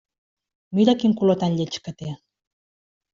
Mira quin color tan lleig que té!